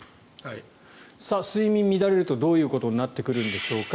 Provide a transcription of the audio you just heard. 睡眠乱れるとどういうことになってくるんでしょうか。